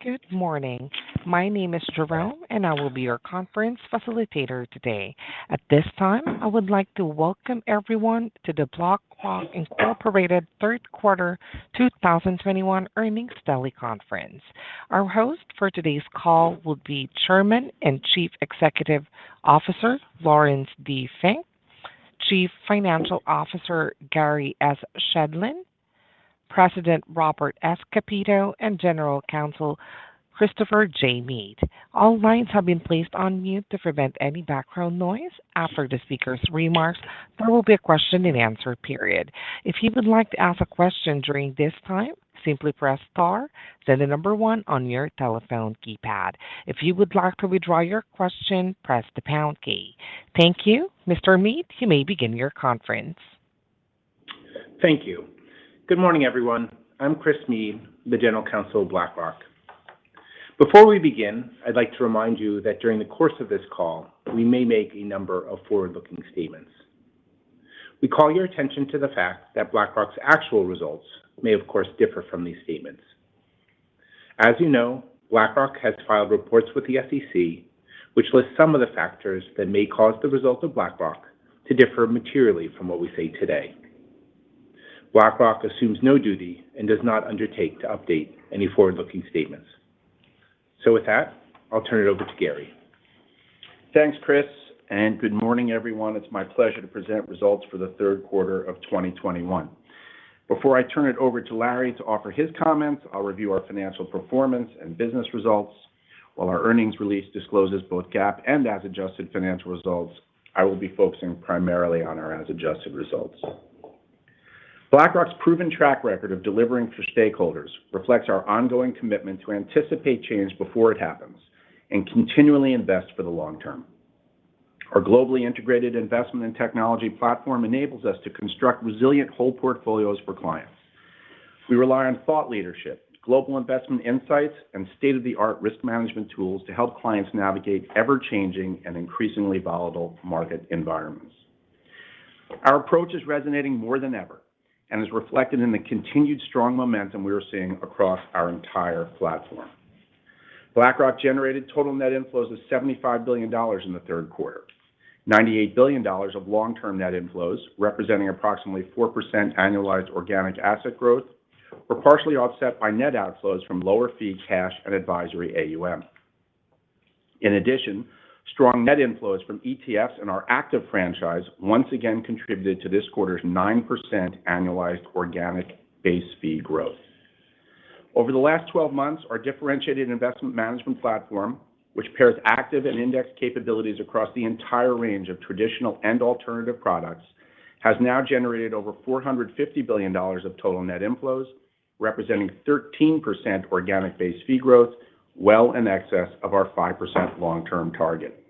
Good morning. My name is Jerome, and I will be your conference facilitator today. At this time, I would like to welcome everyone to the BlackRock, Inc. third quarter 2021 earnings teleconference. Our host for today's call will be Chairman and Chief Executive Officer, Laurence D. Fink, Chief Financial Officer, Gary S. Shedlin, President, Robert S. Kapito, and General Counsel, Christopher J. Meade. All lines have been placed on mute to prevent any background noise. After the speakers' remarks, there will be a question and answer period. If you would like to ask a question during this time, simply press star then the number 1 on your telephone keypad. If you would like to withdraw your question, press the pound key. Thank you. Mr. Meade, you may begin your conference. Thank you. Good morning, everyone. I'm Chris Meade, the General Counsel of BlackRock. Before we begin, I'd like to remind you that during the course of this call, we may make a number of forward-looking statements. We call your attention to the fact that BlackRock's actual results may, of course, differ from these statements. As you know, BlackRock has filed reports with the SEC, which lists some of the factors that may cause the result of BlackRock to differ materially from what we say today. BlackRock assumes no duty and does not undertake to update any forward-looking statements. With that, I'll turn it over to Gary. Thanks, Christopher J. Meade, and good morning, everyone. It's my pleasure to present results for the third quarter of 2021. Before I turn it over to Laurence D. Fink to offer his comments, I'll review our financial performance and business results. While our earnings release discloses both GAAP and as adjusted financial results, I will be focusing primarily on our as adjusted results. BlackRock's proven track record of delivering for stakeholders reflects our ongoing commitment to anticipate change before it happens and continually invest for the long term. Our globally integrated investment in technology platform enables us to construct resilient whole portfolios for clients. We rely on thought leadership, global investment insights, and state-of-the-art risk management tools to help clients navigate ever-changing and increasingly volatile market environments. Our approach is resonating more than ever and is reflected in the continued strong momentum we are seeing across our entire platform. BlackRock generated total net inflows of $75 billion in the third quarter. $98 billion of long-term net inflows, representing approximately 4% annualized organic asset growth, were partially offset by net outflows from lower fee cash and advisory AUM. In addition, strong net inflows from ETFs and our active franchise once again contributed to this quarter's 9% annualized organic base fee growth. Over the last 12 months, our differentiated investment management platform, which pairs active and index capabilities across the entire range of traditional and alternative products, has now generated over $450 billion of total net inflows, representing 13% organic base fee growth, well in excess of our 5% long-term target.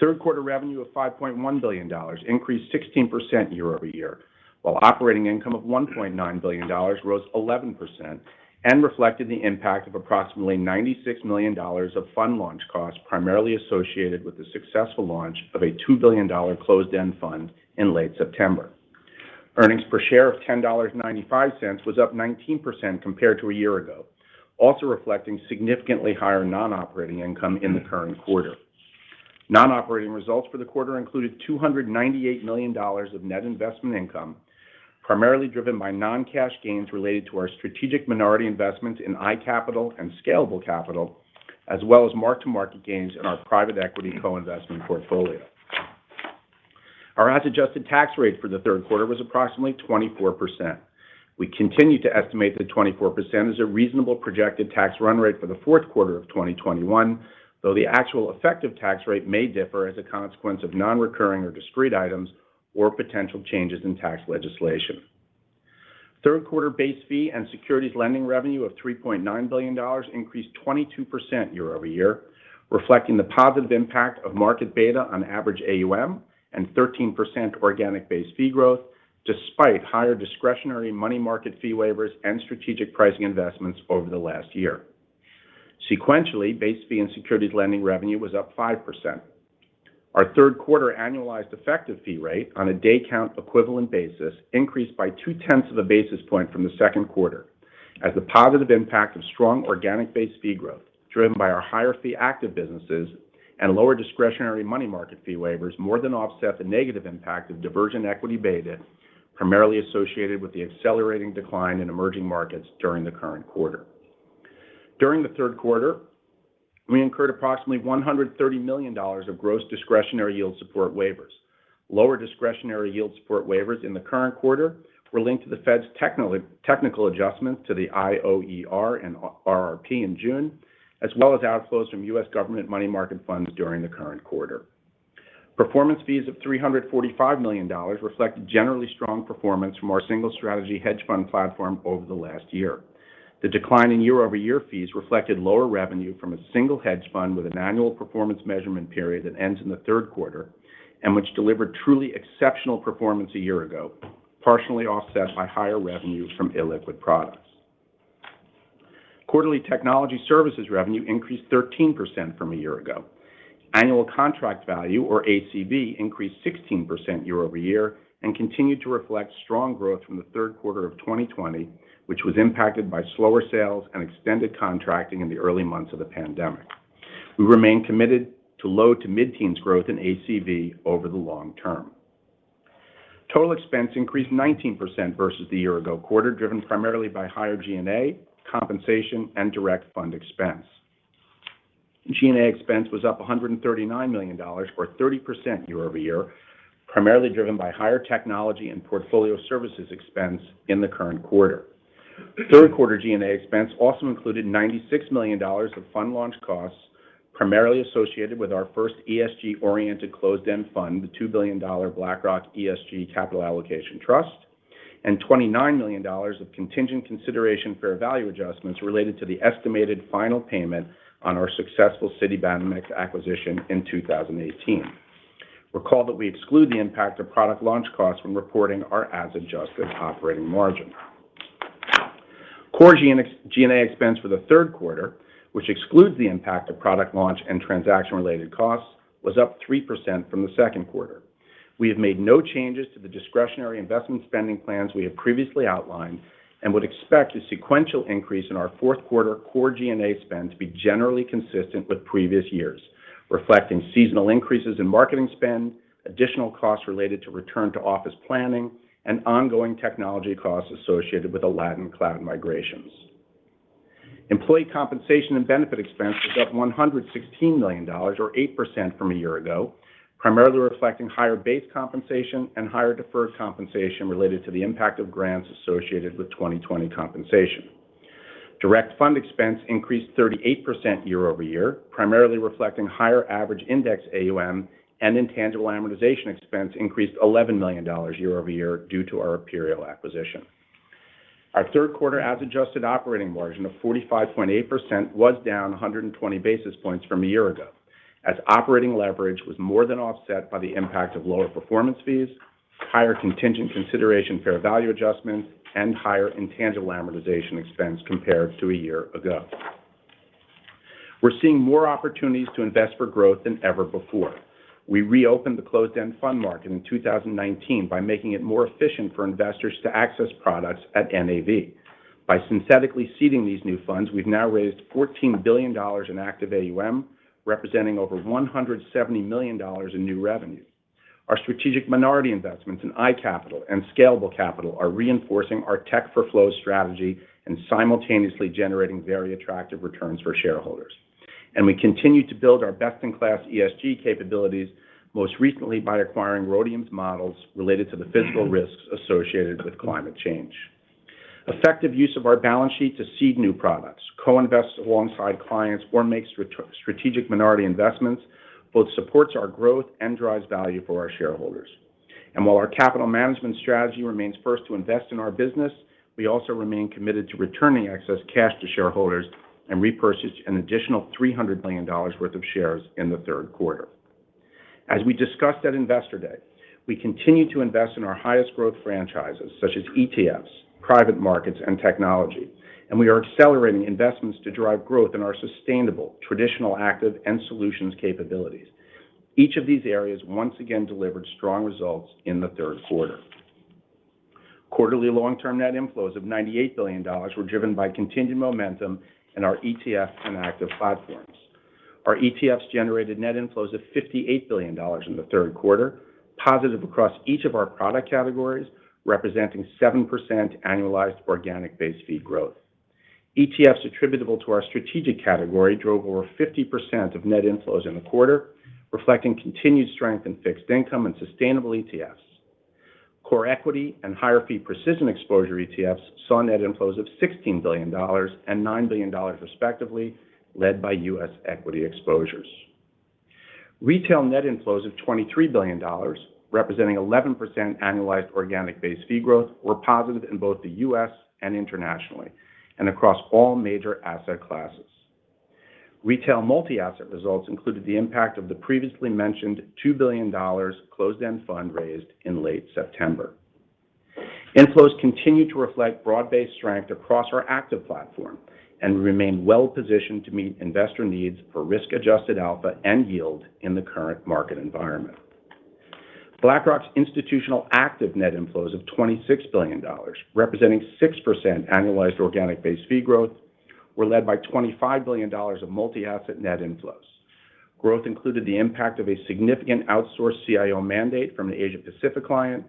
Third quarter revenue of $5.1 billion increased 16% year-over-year, while operating income of $1.9 billion rose 11% and reflected the impact of approximately $96 million of fund launch costs, primarily associated with the successful launch of a $2 billion closed-end fund in late September. Earnings per share of $10.95 was up 19% compared to a year ago, also reflecting significantly higher non-operating income in the current quarter. Non-operating results for the quarter included $298 million of net investment income, primarily driven by non-cash gains related to our strategic minority investment in iCapital and Scalable Capital, as well as mark-to-market gains in our private equity co-investment portfolio. Our as adjusted tax rate for the third quarter was approximately 24%. We continue to estimate that 24% is a reasonable projected tax run rate for the fourth quarter of 2021, though the actual effective tax rate may differ as a consequence of non-recurring or discrete items or potential changes in tax legislation. Third quarter base fee and securities lending revenue of $3.9 billion increased 22% year-over-year, reflecting the positive impact of market beta on average AUM and 13% organic base fee growth, despite higher discretionary money market fee waivers and strategic pricing investments over the last year. Sequentially, base fee and securities lending revenue was up 5%. Our third quarter annualized effective fee rate on a day count equivalent basis increased by 0.2 of a basis point from the second quarter as the positive impact of strong organic base fee growth driven by our higher fee active businesses and lower discretionary money market fee waivers more than offset the negative impact of divergent equity beta, primarily associated with the accelerating decline in emerging markets during the current quarter. During the third quarter, we incurred approximately $130 million of gross discretionary yield support waivers. Lower discretionary yield support waivers in the current quarter were linked to the Fed's technical adjustments to the IOER and RRP in June, as well as outflows from U.S. government money market funds during the current quarter. Performance fees of $345 million reflect generally strong performance from our single strategy hedge fund platform over the last year. The decline in year-over-year fees reflected lower revenue from a single hedge fund with an annual performance measurement period that ends in the third quarter and which delivered truly exceptional performance a year ago, partially offset by higher revenue from illiquid products. Quarterly technology services revenue increased 13% from a year ago. Annual contract value, or ACV, increased 16% year-over-year and continued to reflect strong growth from the third quarter of 2020, which was impacted by slower sales and extended contracting in the early months of the pandemic. We remain committed to low- to mid-teens growth in ACV over the long term. Total expense increased 19% versus the year ago quarter, driven primarily by higher G&A, compensation, and direct fund expense. G&A expense was up $139 million, or 30% year-over-year, primarily driven by higher technology and portfolio services expense in the current quarter. Third quarter G&A expense also included $96 million of fund launch costs, primarily associated with our first ESG-oriented closed-end fund, the $2 billion BlackRock ESG Capital Allocation Trust, and $29 million of contingent consideration fair value adjustments related to the estimated final payment on our successful Citibanamex acquisition in 2018. Recall that we exclude the impact of product launch costs when reporting our as-adjusted operating margin. Core G&A expense for the third quarter, which excludes the impact of product launch and transaction-related costs, was up 3% from the second quarter. We have made no changes to the discretionary investment spending plans we have previously outlined and would expect a sequential increase in our fourth quarter core G&A spend to be generally consistent with previous years, reflecting seasonal increases in marketing spend, additional costs related to return-to-office planning, and ongoing technology costs associated with Aladdin cloud migrations. Employee compensation and benefit expense was up $116 million, or 8% from a year ago, primarily reflecting higher base compensation and higher deferred compensation related to the impact of grants associated with 2020 compensation. Direct fund expense increased 38% year over year, primarily reflecting higher average indexed AUM and intangible amortization expense increased $11 million year over year due to our Aperio acquisition. Our third quarter as-adjusted operating margin of 45.8% was down 120 basis points from a year ago, as operating leverage was more than offset by the impact of lower performance fees, higher contingent consideration fair value adjustments, and higher intangible amortization expense compared to a year ago. We're seeing more opportunities to invest for growth than ever before. We reopened the closed-end fund market in 2019 by making it more efficient for investors to access products at NAV. By synthetically seeding these new funds, we've now raised $14 billion in active AUM, representing over $170 million in new revenue. Our strategic minority investments in iCapital and Scalable Capital are reinforcing our tech-for-flow strategy and simultaneously generating very attractive returns for shareholders. We continue to build our best-in-class ESG capabilities, most recently by acquiring Rhodium's models related to the physical risks associated with climate change. Effective use of our balance sheet to seed new products, co-invest alongside clients, or make strategic minority investments both supports our growth and drives value for our shareholders. While our capital management strategy remains first to invest in our business, we also remain committed to returning excess cash to shareholders and repurchased an additional $300 million worth of shares in the third quarter. As we discussed at Investor Day, we continue to invest in our highest growth franchises, such as ETFs, private markets, and technology, and we are accelerating investments to drive growth in our sustainable, traditional, active, and solutions capabilities. Each of these areas once again delivered strong results in the third quarter. Quarterly long-term net inflows of $98 billion were driven by continued momentum in our ETF and active platforms. Our ETFs generated net inflows of $58 billion in the third quarter, positive across each of our product categories, representing 7% annualized organic base fee growth. ETFs attributable to our strategic category drove over 50% of net inflows in the quarter, reflecting continued strength in fixed income and sustainable ETFs. Core equity and higher-fee precision exposure ETFs saw net inflows of $16 billion and $9 billion respectively, led by U.S. equity exposures. Retail net inflows of $23 billion, representing 11% annualized organic-based fee growth, were positive in both the U.S. and internationally, and across all major asset classes. Retail multi-asset results included the impact of the previously mentioned $2 billion closed-end fund raised in late September. Inflows continue to reflect broad-based strength across our active platform and remain well positioned to meet investor needs for risk-adjusted alpha and yield in the current market environment. BlackRock's institutional active net inflows of $26 billion, representing 6% annualized organic-based fee growth, were led by $25 billion of multi-asset net inflows. Growth included the impact of a significant outsourced CIO mandate from an Asia Pacific client,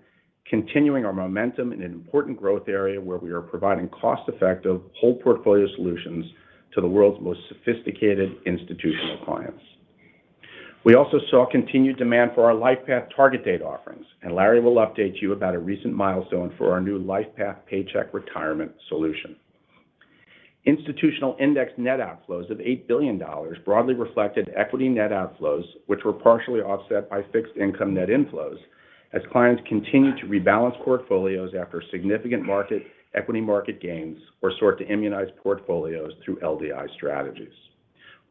continuing our momentum in an important growth area where we are providing cost-effective whole portfolio solutions to the world's most sophisticated institutional clients. We also saw continued demand for our LifePath target date offerings, and Laurence D. Fink will update you about a recent milestone for our new LifePath Paycheck Retirement solution. Institutional index net outflows of $8 billion broadly reflected equity net outflows, which were partially offset by fixed income net inflows as clients continued to rebalance portfolios after significant equity market gains or sought to immunize portfolios through LDI strategies.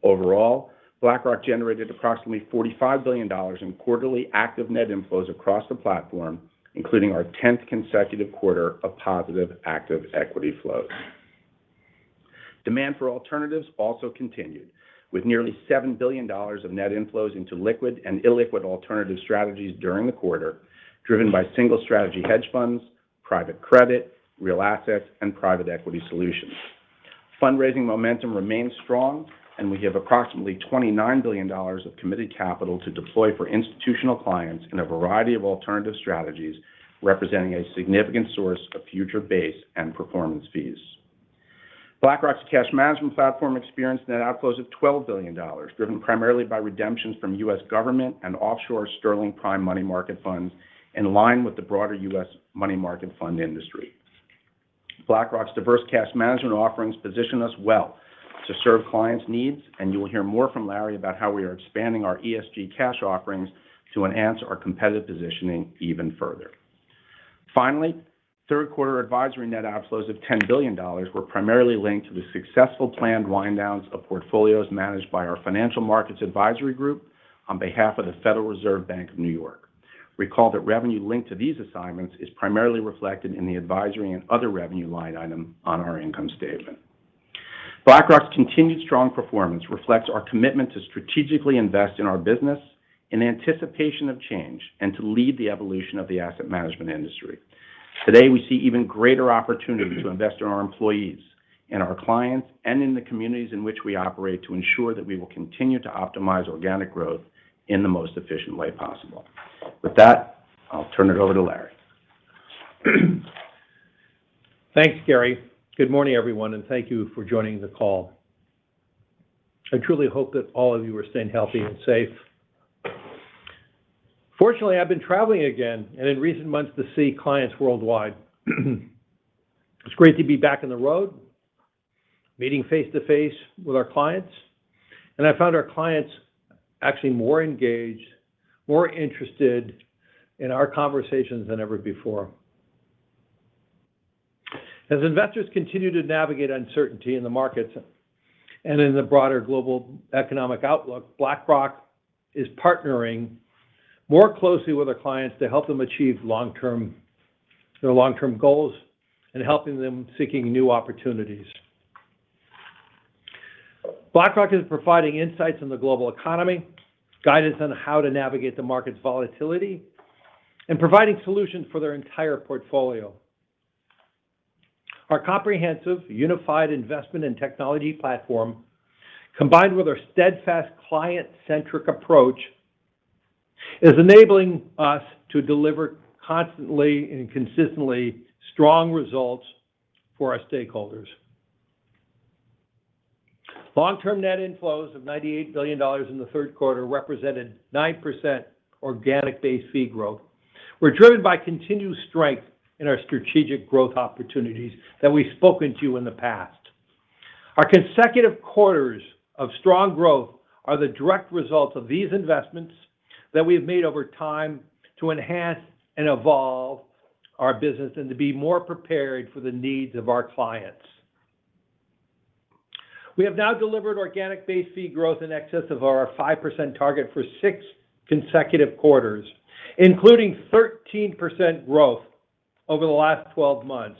Overall, BlackRock generated approximately $45 billion in quarterly active net inflows across the platform, including our 10th consecutive quarter of positive active equity flows. Demand for alternatives also continued, with nearly $7 billion of net inflows into liquid and illiquid alternative strategies during the quarter, driven by single strategy hedge funds, private credit, real assets, and private equity solutions. Fundraising momentum remains strong, and we have approximately $29 billion of committed capital to deploy for institutional clients in a variety of alternative strategies, representing a significant source of future base and performance fees. BlackRock's cash management platform experienced net outflows of $12 billion, driven primarily by redemptions from U.S. government and offshore sterling prime money market funds in line with the broader U.S. money market fund industry. BlackRock's diverse cash management offerings position us well to serve clients' needs, and you will hear more from Laurence D. Fink about how we are expanding our ESG cash offerings to enhance our competitive positioning even further. Finally, third quarter advisory net outflows of $10 billion were primarily linked to the successful planned wind-downs of portfolios managed by our financial markets advisory group on behalf of the Federal Reserve Bank of New York. Recall that revenue linked to these assignments is primarily reflected in the advisory and other revenue line item on our income statement. BlackRock's continued strong performance reflects our commitment to strategically invest in our business in anticipation of change and to lead the evolution of the asset management industry. Today, we see even greater opportunity to invest in our employees and our clients and in the communities in which we operate to ensure that we will continue to optimize organic growth in the most efficient way possible. With that, I'll turn it over to Larry. Thanks, Gary. Good morning, everyone. Thank you for joining the call. I truly hope that all of you are staying healthy and safe. Fortunately, I've been traveling again and in recent months to see clients worldwide. It's great to be back on the road, meeting face-to-face with our clients. I found our clients actually more engaged, more interested in our conversations than ever before. As investors continue to navigate uncertainty in the markets and in the broader global economic outlook, BlackRock is partnering more closely with our clients to help them achieve their long-term goals and helping them seeking new opportunities. BlackRock is providing insights on the global economy, guidance on how to navigate the market's volatility, and providing solutions for their entire portfolio. Our comprehensive, unified investment and technology platform, combined with our steadfast client-centric approach, is enabling us to deliver constantly and consistently strong results for our stakeholders. Long-term net inflows of $98 billion in the third quarter represented 9% organic base fee growth, were driven by continued strength in our strategic growth opportunities that we've spoken to in the past. Our consecutive quarters of strong growth are the direct result of these investments that we have made over time to enhance and evolve our business and to be more prepared for the needs of our clients. We have now delivered organic base fee growth in excess of our 5% target for six consecutive quarters, including 13% growth over the last 12 months.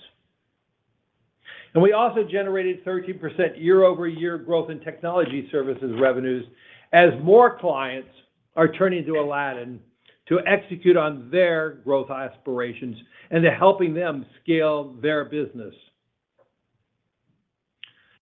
We also generated 13% year-over-year growth in technology services revenues as more clients are turning to Aladdin to execute on their growth aspirations and to helping them scale their business.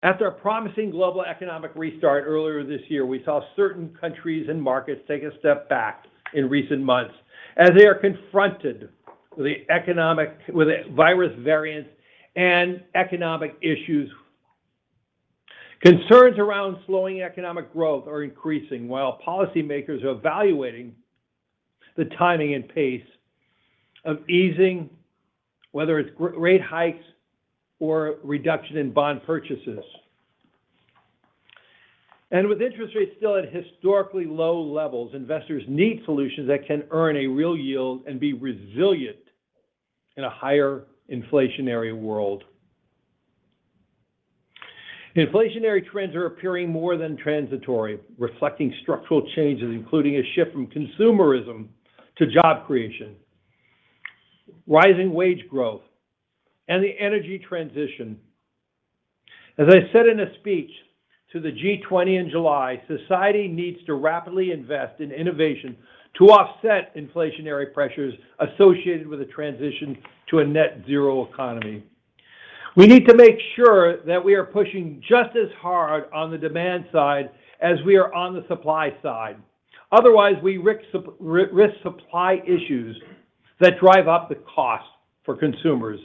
After a promising global economic restart earlier this year, we saw certain countries and markets take a step back in recent months as they are confronted with virus variants and economic issues. Concerns around slowing economic growth are increasing while policymakers are evaluating the timing and pace of easing, whether it's rate hikes or reduction in bond purchases. With interest rates still at historically low levels, investors need solutions that can earn a real yield and be resilient in a higher inflationary world. Inflationary trends are appearing more than transitory, reflecting structural changes, including a shift from consumerism to job creation, rising wage growth, and the energy transition. As I said in a speech to the G20 in July, society needs to rapidly invest in innovation to offset inflationary pressures associated with the transition to a net zero economy. We need to make sure that we are pushing just as hard on the demand side as we are on the supply side. Otherwise, we risk supply issues that drive up the cost for consumers,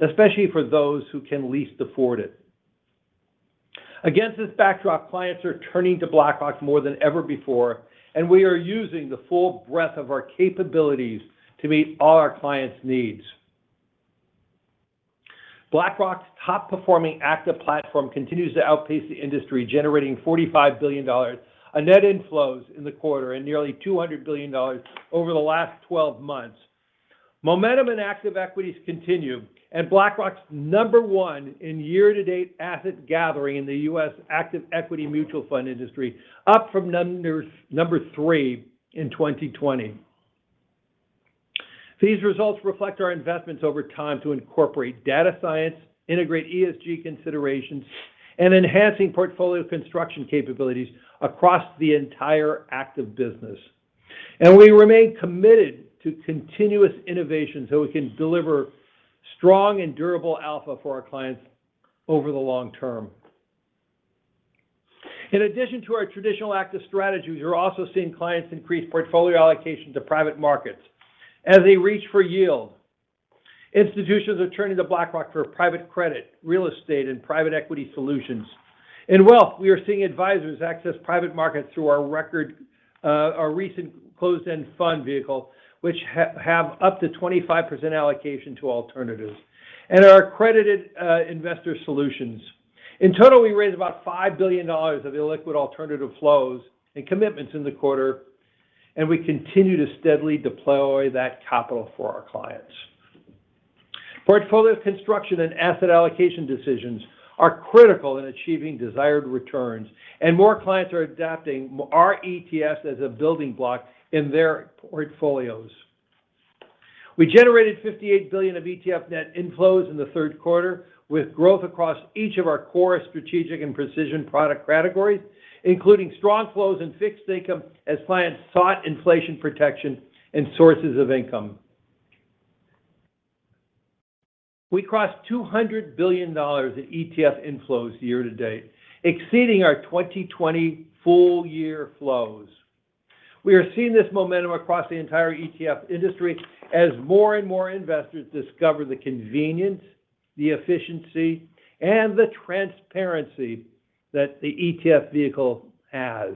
especially for those who can least afford it. Against this backdrop, clients are turning to BlackRock more than ever before, and we are using the full breadth of our capabilities to meet all our clients' needs. BlackRock's top performing active platform continues to outpace the industry, generating $45 billion of net inflows in the quarter and nearly $200 billion over the last 12 months. Momentum in active equities continues, BlackRock's number one in year-to-date asset gathering in the U.S. active equity mutual fund industry, up from number three in 2020. These results reflect our investments over time to incorporate data science, integrate ESG considerations, and enhancing portfolio construction capabilities across the entire active business. We remain committed to continuous innovation so we can deliver strong and durable alpha for our clients over the long term. In addition to our traditional active strategies, you're also seeing clients increase portfolio allocation to private markets as they reach for yield. Institutions are turning to BlackRock for private credit, real estate, and private equity solutions. In wealth, we are seeing advisors access private markets through our recent closed-end fund vehicle, which have up to 25% allocation to alternatives and our accredited investor solutions. In total, we raised about $5 billion of illiquid alternative flows and commitments in the quarter. We continue to steadily deploy that capital for our clients. Portfolio construction and asset allocation decisions are critical in achieving desired returns. More clients are adapting our ETFs as a building block in their portfolios. We generated $58 billion of ETF net inflows in the third quarter, with growth across each of our core strategic and precision product categories, including strong flows and fixed income as clients sought inflation protection and sources of income. We crossed $200 billion in ETF inflows year to date, exceeding our 2020 full year flows. We are seeing this momentum across the entire ETF industry as more and more investors discover the convenience, the efficiency, and the transparency that the ETF vehicle has.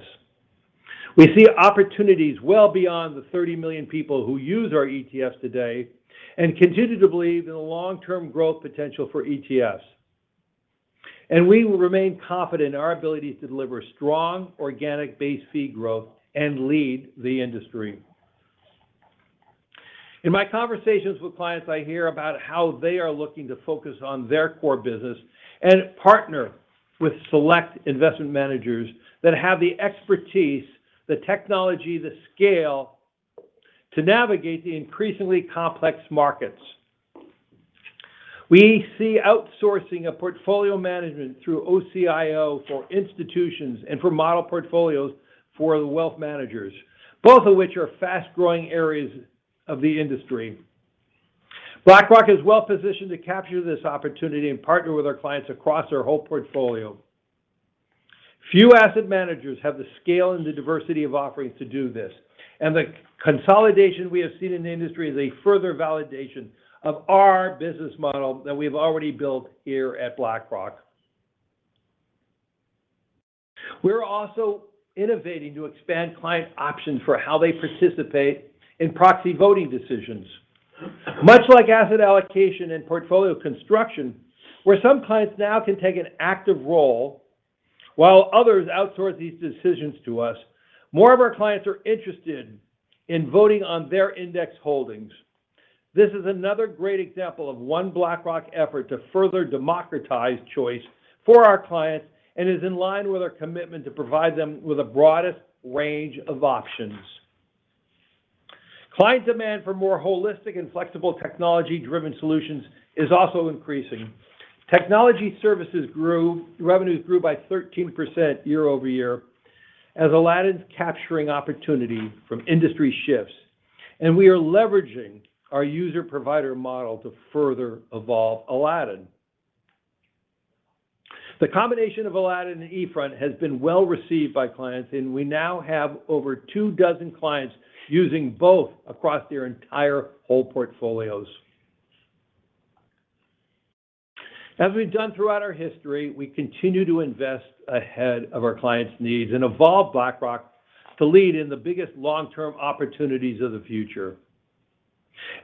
We see opportunities well beyond the 30 million people who use our ETFs today and continue to believe in the long-term growth potential for ETFs. We will remain confident in our ability to deliver strong, organic base fee growth and lead the industry. In my conversations with clients, I hear about how they are looking to focus on their core business and partner with select investment managers that have the expertise, the technology, the scale to navigate the increasingly complex markets. We see outsourcing of portfolio management through OCIO for institutions and for model portfolios for the wealth managers, both of which are fast-growing areas of the industry. BlackRock is well positioned to capture this opportunity and partner with our clients across our whole portfolio. Few asset managers have the scale and the diversity of offerings to do this, and the consolidation we have seen in the industry is a further validation of our business model that we've already built here at BlackRock. We're also innovating to expand client options for how they participate in proxy voting decisions. Much like asset allocation and portfolio construction, where some clients now can take an active role while others outsource these decisions to us, more of our clients are interested in voting on their index holdings. This is another great example of One BlackRock effort to further democratize choice for our clients and is in line with our commitment to provide them with the broadest range of options. Client demand for more holistic and flexible technology-driven solutions is also increasing. Technology services revenues grew by 13% year-over-year as Aladdin's capturing opportunity from industry shifts, we are leveraging our user provider model to further evolve Aladdin. The combination of Aladdin and eFront has been well received by clients, we now have over two dozen clients using both across their entire whole portfolios. As we've done throughout our history, we continue to invest ahead of our clients' needs and evolve BlackRock to lead in the biggest long-term opportunities of the future.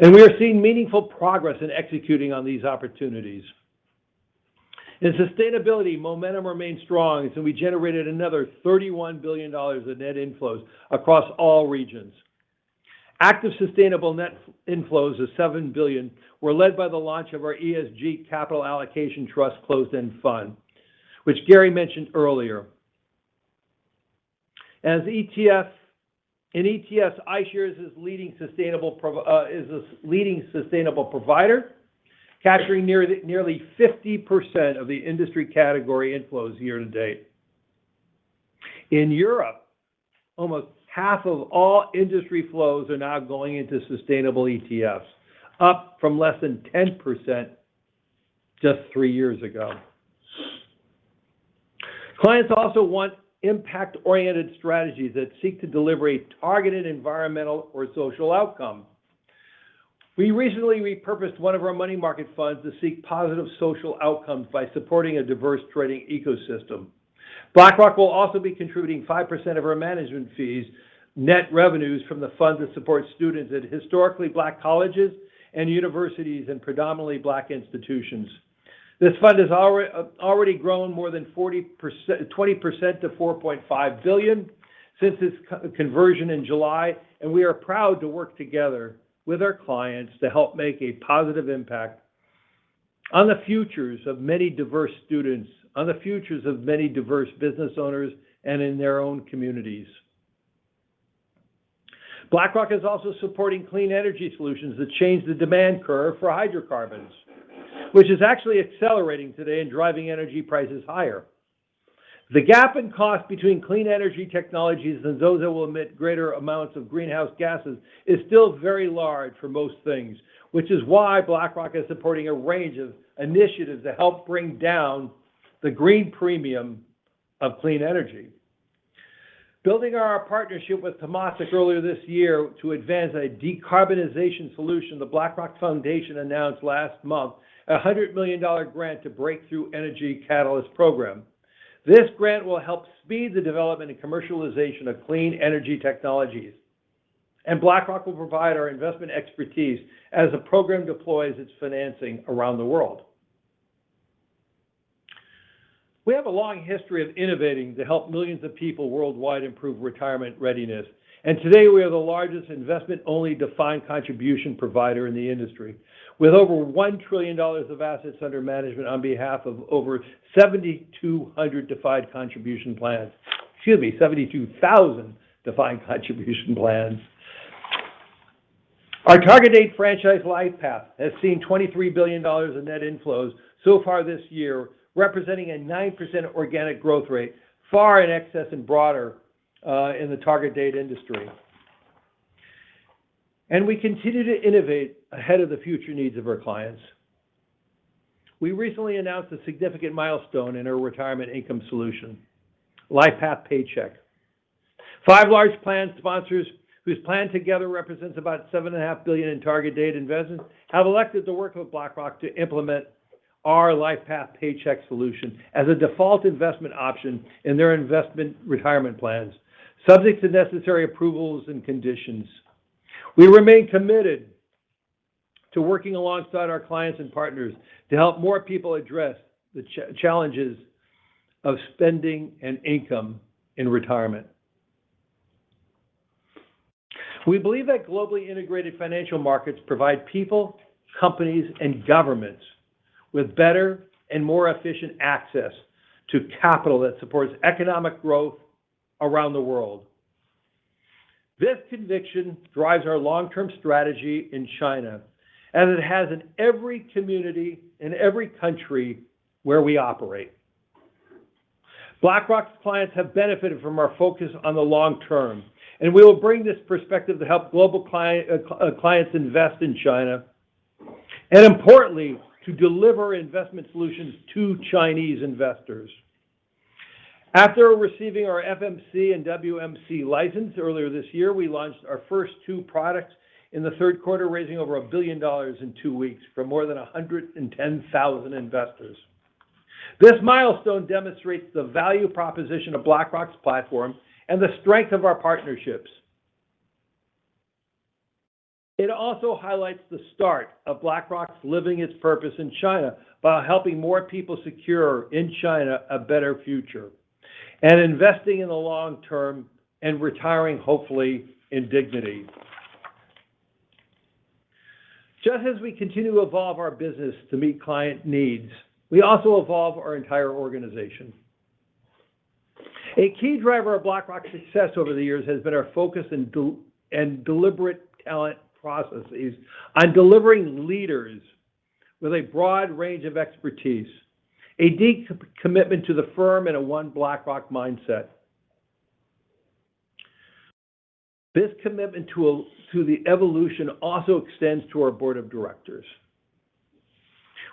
We are seeing meaningful progress in executing on these opportunities. In sustainability, momentum remains strong as we generated another $31 billion of net inflows across all regions. Active sustainable net inflows of $7 billion were led by the launch of our ESG Capital Allocation Trust closed-end fund, which Gary mentioned earlier. In ETFs, iShares is a leading sustainable provider, capturing nearly 50% of the industry category inflows year to date. In Europe, almost half of all industry flows are now going into sustainable ETFs, up from less than 10% just three years ago. Clients also want impact-oriented strategies that seek to deliver a targeted environmental or social outcome. We recently repurposed one of our money market funds to seek positive social outcomes by supporting a diverse trading ecosystem. BlackRock will also be contributing 5% of our management fees, net revenues from the fund that supports students at Historically Black Colleges and Universities and Predominantly Black Institutions. This fund has already grown more than 20% to $4.5 billion since its conversion in July, and we are proud to work together with our clients to help make a positive impact on the futures of many diverse students, on the futures of many diverse business owners, and in their own communities. BlackRock is also supporting clean energy solutions that change the demand curve for hydrocarbons, which is actually accelerating today and driving energy prices higher. The gap in cost between clean energy technologies and those that will emit greater amounts of greenhouse gases is still very large for most things, which is why BlackRock is supporting a range of initiatives to help bring down the green premium of clean energy. Building our partnership with Temasek earlier this year to advance a decarbonization solution, The BlackRock Foundation announced last month a $100 million grant to Breakthrough Energy Catalyst program. This grant will help speed the development and commercialization of clean energy technologies. BlackRock will provide our investment expertise as the program deploys its financing around the world. We have a long history of innovating to help millions of people worldwide improve retirement readiness, and today we are the largest investment-only defined contribution provider in the industry, with over $1 trillion of assets under management on behalf of over 7,200 defined contribution plans. Excuse me, 72,000 defined contribution plans. Our Target Date franchise LifePath has seen $23 billion in net inflows so far this year, representing a 9% organic growth rate, far in excess and broader in the Target Date industry. We continue to innovate ahead of the future needs of our clients. We recently announced a significant milestone in our retirement income solution, LifePath Paycheck. Five large plan sponsors whose plan together represents about $7.5 billion in Target Date investments have elected to work with BlackRock to implement our LifePath Paycheck solution as a default investment option in their investment retirement plans, subject to necessary approvals and conditions. We remain committed to working alongside our clients and partners to help more people address the challenges of spending and income in retirement. We believe that globally integrated financial markets provide people, companies, and governments with better and more efficient access to capital that supports economic growth around the world. This conviction drives our long-term strategy in China, as it has in every community and every country where we operate. BlackRock's clients have benefited from our focus on the long term, and we will bring this perspective to help global clients invest in China, and importantly, to deliver investment solutions to Chinese investors. After receiving our FMC and WMC license earlier this year, we launched our first two products in the third quarter, raising over $1 billion in two weeks for more than 110,000 investors. This milestone demonstrates the value proposition of BlackRock's platform and the strength of our partnerships. It also highlights the start of BlackRock's living its purpose in China by helping more people secure, in China, a better future, and investing in the long term and retiring, hopefully, in dignity. Just as we continue to evolve our business to meet client needs, we also evolve our entire organization. A key driver of BlackRock's success over the years has been our focus and deliberate talent processes on delivering leaders with a broad range of expertise, a deep commitment to the firm, and a One BlackRock mindset. This commitment to the evolution also extends to our board of directors.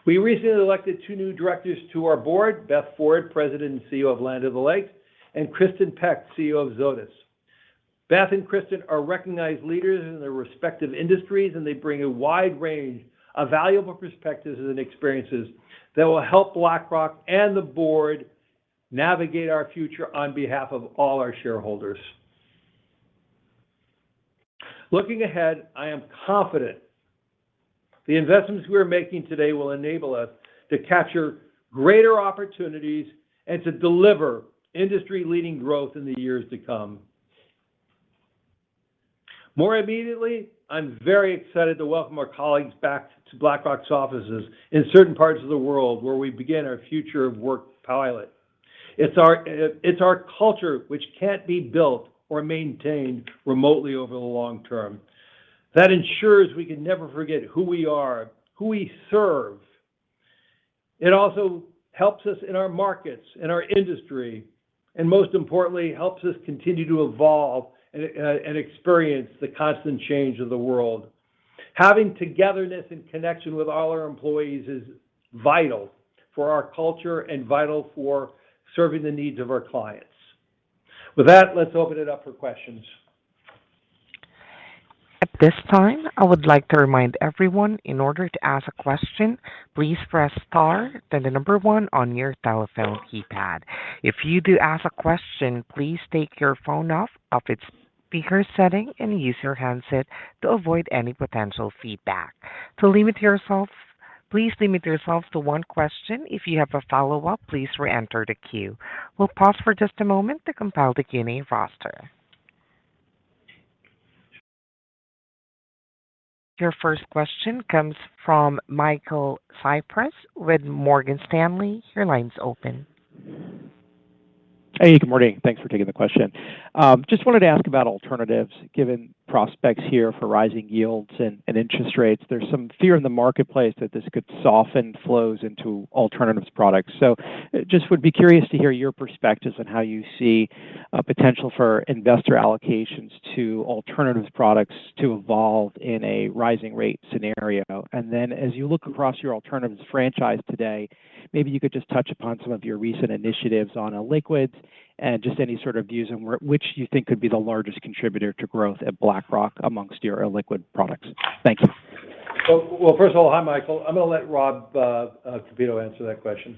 We recently elected two new directors to our board, Beth Ford, President and CEO of Land O'Lakes, and Kristin Peck, CEO of Zoetis. Beth and Kristin are recognized leaders in their respective industries. They bring a wide range of valuable perspectives and experiences that will help BlackRock and the board navigate our future on behalf of all our shareholders. Looking ahead, I am confident the investments we are making today will enable us to capture greater opportunities and to deliver industry-leading growth in the years to come. More immediately, I'm very excited to welcome our colleagues back to BlackRock's offices in certain parts of the world where we begin our future of work pilot. It's our culture, which can't be built or maintained remotely over the long term. That ensures we can never forget who we are, who we serve. It also helps us in our markets and our industry, and most importantly, helps us continue to evolve and experience the constant change of the world. Having togetherness and connection with all our employees is vital for our culture and vital for serving the needs of our clients. With that, let's open it up for questions. At this time, I would like to remind everyone, in order to ask a question, please press star, then the number one on your telephone keypad. If you do ask a question, please take your phone off of its speaker setting and use your handset to avoid any potential feedback. Please limit yourself to one question. If you have a follow-up, please re-enter the queue. We'll pause for just a moment to compile the Q&A roster. Your first question comes from Michael Cyprys with Morgan Stanley. Your line's open. Hey, good morning. Thanks for taking the question. Just wanted to ask about alternatives, given prospects here for rising yields and interest rates. There's some fear in the marketplace that this could soften flows into alternatives products. Just would be curious to hear your perspectives on how you see potential for investor allocations to alternatives products to evolve in a rising rate scenario. As you look across your alternatives franchise today, maybe you could just touch upon some of your recent initiatives on illiquids and just any sort of views on where, which you think could be the largest contributor to growth at BlackRock amongst your illiquid products. Thank you. Well, first of all, hi Michael. I'm going to let Rob Kapito answer that question.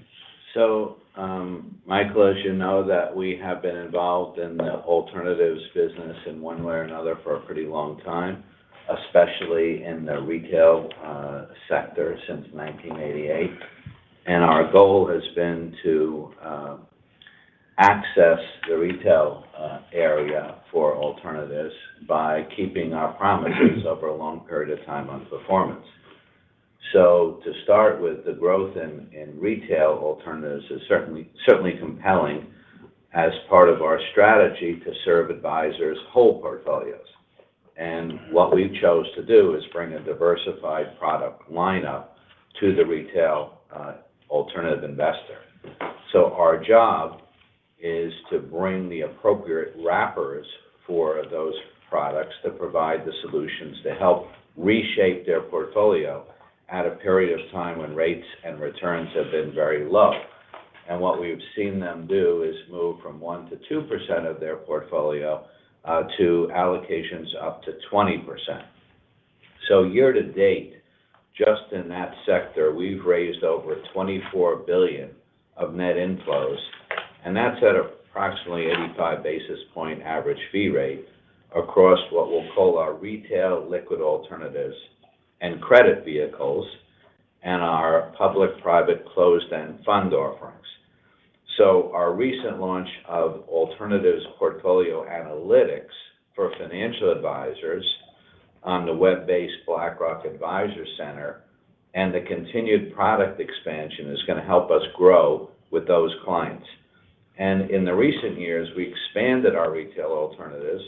Michael, as you know, that we have been involved in the alternatives business in one way or another for a pretty long time, especially in the retail sector since 1988. Our goal has been to access the retail area for alternatives by keeping our promises over a long period of time on performance. To start with, the growth in retail alternatives is certainly compelling as part of our strategy to serve advisors' whole portfolios. What we've chose to do is bring a diversified product lineup to the retail alternative investor. Our job is to bring the appropriate wrappers for those products to provide the solutions to help reshape their portfolio at a period of time when rates and returns have been very low. What we've seen them do is move from 1%-2% of their portfolio, to allocations up to 20%. Year to date, just in that sector, we've raised over $24 billion of net inflows, and that's at approximately 85 basis point average fee rate across what we'll call our retail liquid alternatives and credit vehicles, and our public, private closed-end fund offerings. Our recent launch of alternatives portfolio analytics for financial advisors on the web-based BlackRock Advisor Center and the continued product expansion is going to help us grow with those clients. In the recent years, we expanded our retail alternatives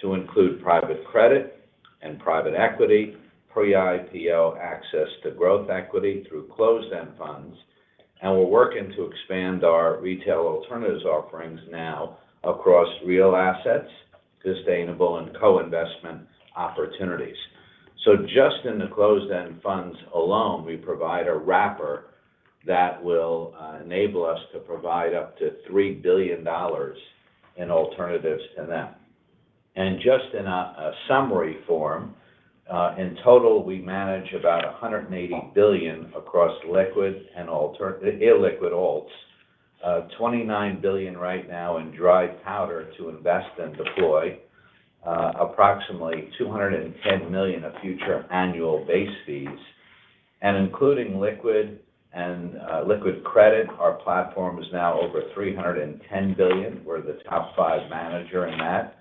to include private credit and private equity, pre-IPO access to growth equity through closed-end funds. We're working to expand our retail alternatives offerings now across real assets, sustainable and co-investment opportunities. Just in the closed-end funds alone, we provide a wrapper that will enable us to provide up to $3 billion in alternatives in them. Just in a summary form, in total, we manage about $180 billion across liquid and illiquid alts. $29 billion right now in dry powder to invest and deploy. Approximately $210 million of future annual base fees. Including liquid and liquid credit, our platform is now over $310 billion. We're the top five manager in that.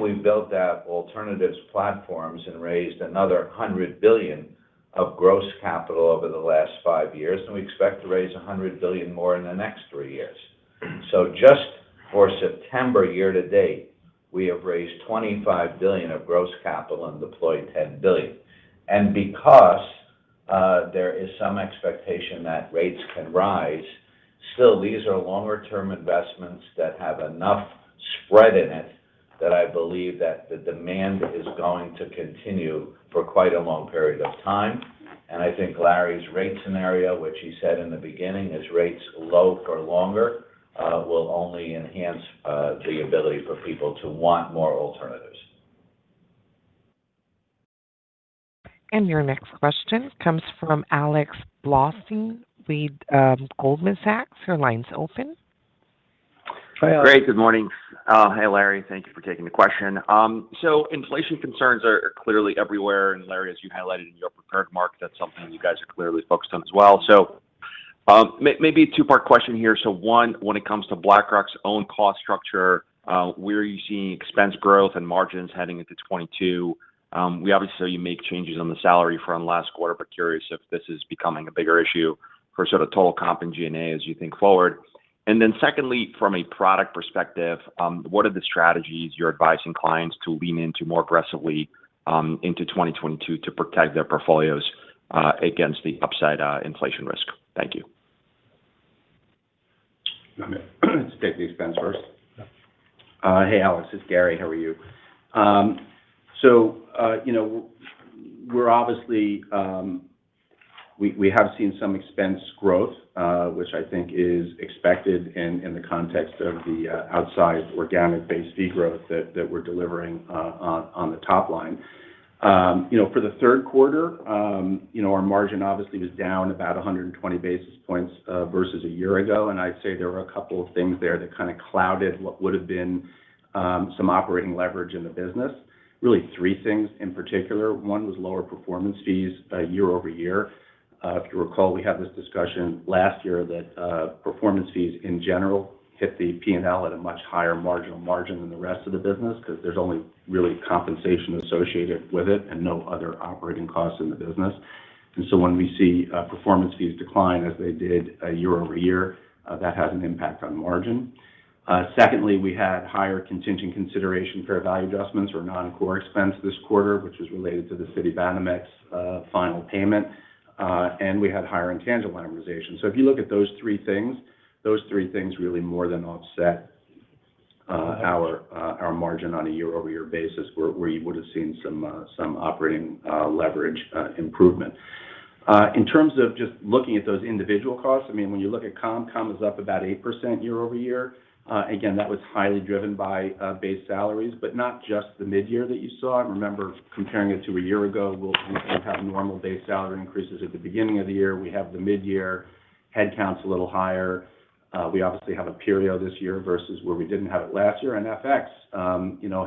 We've built out alternatives platforms and raised another $100 billion of gross capital over the last five years. We expect to raise $100 billion more in the next three years. So just for September year-to-date, we have raised $25 billion of gross capital and deployed $10 billion. Because there is some expectation that rates can rise, still, these are longer-term investments that have enough spread in it that I believe that the demand is going to continue for quite a long period of time. I think Larry's rate scenario, which he said in the beginning, is rates low for longer, will only enhance the ability for people to want more alternatives. Your next question comes from Alexander Blostein with Goldman Sachs Your line's open. Hi, Alex. Great. Good morning. Hey, Larry. Thank you for taking the question. Inflation concerns are clearly everywhere, and Larry, as you highlighted in your prepared remarks, that's something you guys are clearly focused on as well. Maybe a 2-part question here. 1, when it comes to BlackRock's own cost structure, where are you seeing expense growth and margins heading into 2022? We obviously saw you make changes on the salary front last quarter, curious if this is becoming a bigger issue for sort of total comp and G&A as you think forward. Secondly, from a product perspective, what are the strategies you're advising clients to lean into more aggressively, into 2022 to protect their portfolios against the upside inflation risk? Thank you. Let me take the expense first. Yeah. Hey, Alex, it's Gary. How are you? We have seen some expense growth, which I think is expected in the context of the outsized organic base fee growth that we're delivering on the top line. For the third quarter, our margin obviously was down about 120 basis points versus a year ago. I'd say there were a couple of things there that kind of clouded what would've been some operating leverage in the business. Really 3 things in particular. 1 was lower performance fees year over year. If you recall, we had this discussion last year that performance fees in general hit the P&L at a much higher marginal margin than the rest of the business, because there's only really compensation associated with it and no other operating costs in the business. When we see performance fees decline as they did year-over-year, that has an impact on margin. Secondly, we had higher contingent consideration fair value adjustments or non-core expense this quarter, which was related to the Citibanamex final payment. We had higher intangible amortization. If you look at those three things, those three things really more than offset our margin on a year-over-year basis, where you would've seen some operating leverage improvement. In terms of just looking at those individual costs, when you look at comp is up about 8% year-over-year. Again, that was highly driven by base salaries, but not just the mid-year that you saw. Remember, comparing it to a year ago, we'll have normal base salary increases at the beginning of the year. We have the mid-year headcounts a little higher. We obviously have Aperio this year versus where we didn't have it last year. FX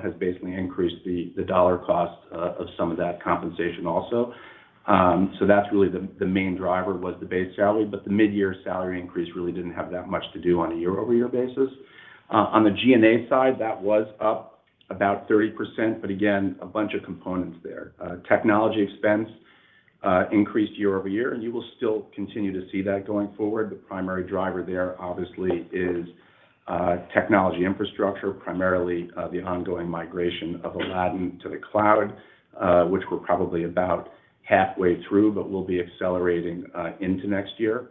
has basically increased the dollar cost of some of that compensation also. That's really the main driver was the base salary, but the mid-year salary increase really didn't have that much to do on a year-over-year basis. On the G&A side, that was up about 30%, but again, a bunch of components there. Technology expense increased year-over-year, you will still continue to see that going forward. The primary driver there obviously is technology infrastructure, primarily the ongoing migration of Aladdin to the cloud, which we're probably about halfway through, but we'll be accelerating into next year.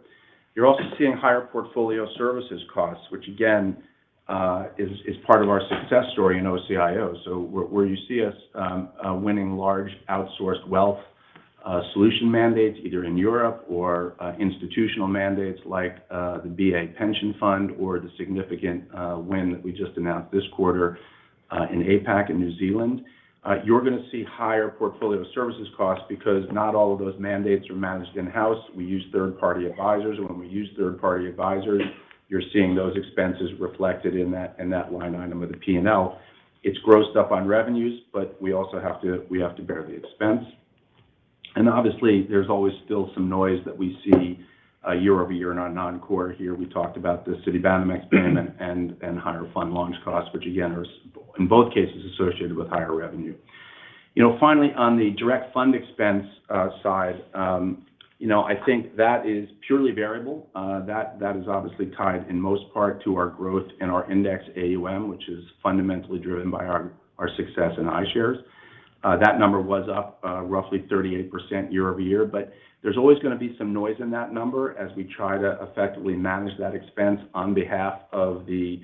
You're also seeing higher portfolio services costs, which again, is part of our success story in OCIO. Where you see us winning large outsourced wealth solution mandates, either in Europe or institutional mandates like the BA Pension Fund or the significant win that we just announced this quarter in APAC and New Zealand. You're going to see higher portfolio services costs because not all of those mandates are managed in-house. We use third-party advisors. When we use third-party advisors, you're seeing those expenses reflected in that line item of the P&L. It's grossed up on revenues, but we have to bear the expense. Obviously, there's always still some noise that we see year-over-year in our non-core. Here, we talked about the Citibanamex payment and higher fund launch costs, which again, are in both cases associated with higher revenue. Finally, on the direct fund expense side, I think that is purely variable. That is obviously tied in most part to our growth in our index AUM, which is fundamentally driven by our success in iShares. That number was up roughly 38% year-over-year. There's always going to be some noise in that number as we try to effectively manage that expense on behalf of the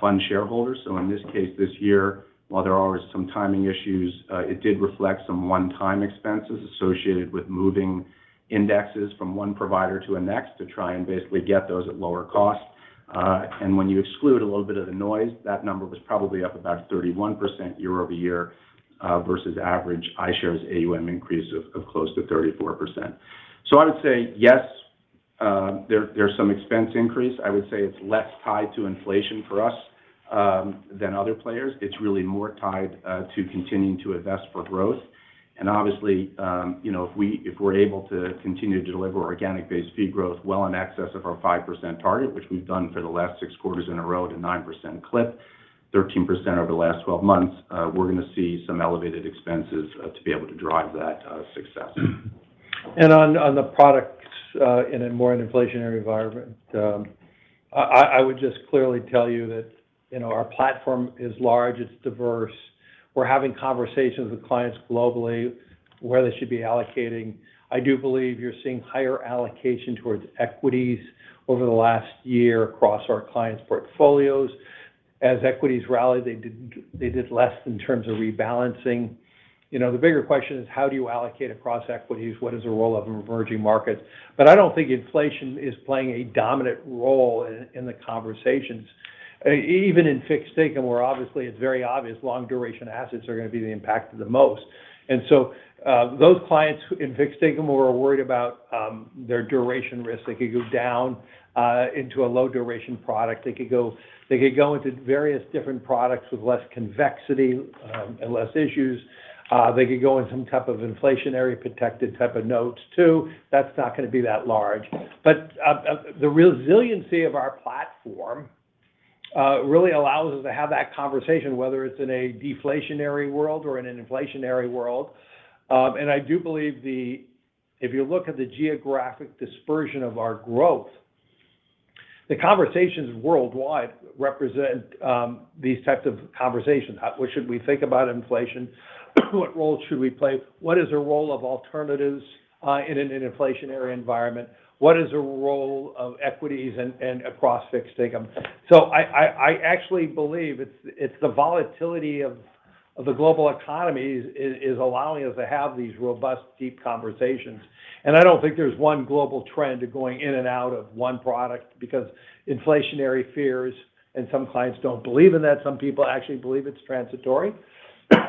fund shareholders. In this case this year, while there are some timing issues, it did reflect some one-time expenses associated with moving indexes from 1 provider to the next to try and basically get those at lower cost. When you exclude a little bit of the noise, that number was probably up about 31% year-over-year, versus average iShares AUM increase of close to 34%. I would say yes, there's some expense increase. I would say it's less tied to inflation for us than other players. It's really more tied to continuing to invest for growth. Obviously, if we're able to continue to deliver organic base fee growth well in excess of our 5% target, which we've done for the last six quarters in a row at a 9% clip, 13% over the last 12 months, we're going to see some elevated expenses to be able to drive that success. On the products in a more inflationary environment, I would just clearly tell you that our platform is large, it's diverse. We're having conversations with clients globally where they should be allocating. I do believe you're seeing higher allocation towards equities over the last year across our clients' portfolios. As equities rallied, they did less in terms of rebalancing. The bigger question is how do you allocate across equities? What is the role of emerging markets? I don't think inflation is playing a dominant role in the conversations. Even in fixed income, where obviously it's very obvious long-duration assets are going to be impacted the most. Those clients in fixed income who are worried about their duration risk, they could go down into a low-duration product. They could go into various different products with less convexity and less issues. They could go in some type of inflationary protected type of notes, too. That's not going to be that large. The resiliency of our platform really allows us to have that conversation, whether it's in a deflationary world or in an inflationary world. I do believe if you look at the geographic dispersion of our growth, the conversations worldwide represent these types of conversations. What should we think about inflation? What role should we play? What is the role of alternatives in an inflationary environment? What is the role of equities and across fixed income? I actually believe it's the volatility of the global economies is allowing us to have these robust, deep conversations. I don't think there's one global trend of going in and out of one product because inflationary fears and some clients don't believe in that. Some people actually believe it's transitory. I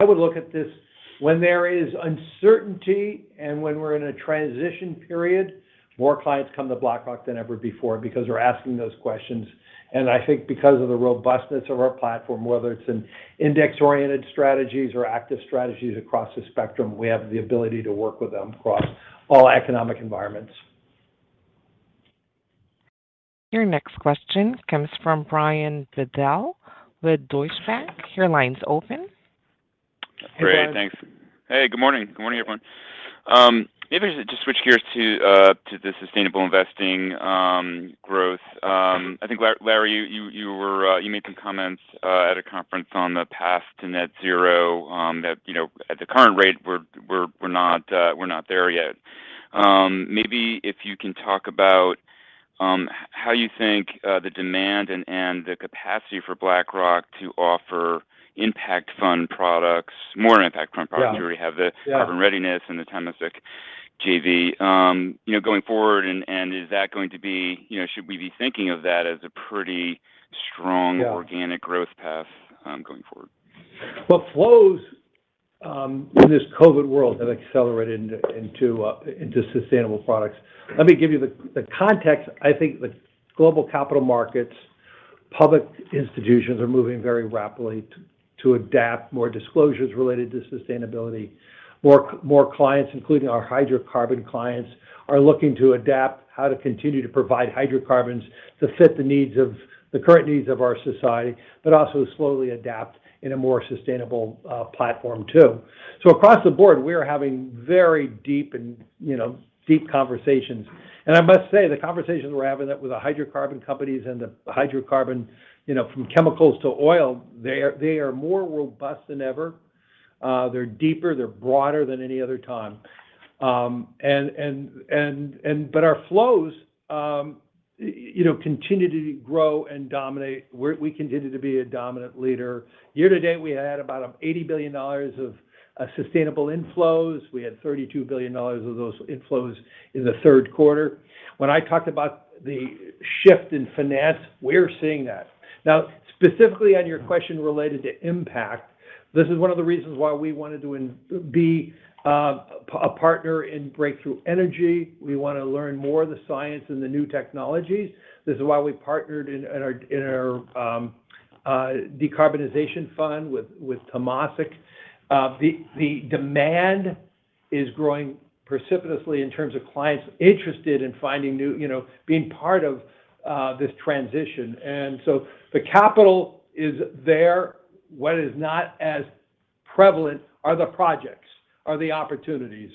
would look at this, when there is uncertainty and when we're in a transition period, more clients come to BlackRock than ever before because we're asking those questions. I think because of the robustness of our platform, whether it's in index-oriented strategies or active strategies across the spectrum, we have the ability to work with them across all economic environments. Your next question comes from Brian Bedell with Deutsche Bank. Your line's open. Great, thanks. Hey, good morning. Good morning, everyone. Maybe just switch gears to the sustainable investing growth. I think, Larry, you made some comments at a conference on the path to net zero, that at the current rate, we're not there yet. Maybe if you can talk about how you think the demand and the capacity for BlackRock to offer impact fund products, more impact fund products? Yeah. You already have the carbon readiness and the Temasek JV. Going forward, should we be thinking of that as a pretty strong- Yeah organic growth path going forward? Well, flows in this COVID world have accelerated into sustainable products. Let me give you the context. I think the global capital markets, public institutions are moving very rapidly to adapt more disclosures related to sustainability. More clients, including our hydrocarbon clients, are looking to adapt how to continue to provide hydrocarbons to fit the current needs of our society, but also slowly adapt in a more sustainable platform, too. Across the board, we are having very deep conversations. I must say, the conversations we're having with the hydrocarbon companies and the hydrocarbon, from chemicals to oil, they are more robust than ever. They're deeper, they're broader than any other time. Our flows continue to grow and dominate. We continue to be a dominant leader. Year to date, we had about $80 billion of sustainable inflows. We had $32 billion of those inflows in the third quarter. When I talked about the shift in finance, we're seeing that. Specifically on your question related to impact, this is one of the reasons why we wanted to be a partner in Breakthrough Energy. We want to learn more of the science and the new technologies. This is why we partnered in our Decarbonization Partners with Temasek. The demand is growing precipitously in terms of clients interested in being part of this transition. The capital is there. What is not as prevalent are the projects, are the opportunities.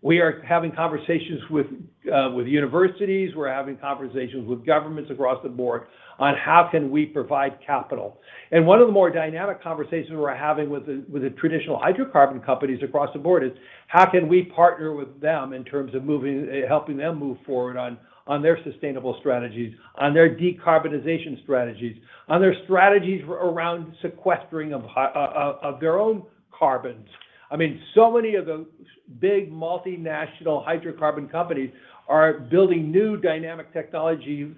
We are having conversations with universities. We're having conversations with governments across the board on how can we provide capital. One of the more dynamic conversations we're having with the traditional hydrocarbon companies across the board is how can we partner with them in terms of helping them move forward on their sustainable strategies, on their decarbonization strategies, on their strategies around sequestering of their own carbons. Many of the big multinational hydrocarbon companies are building new dynamic technology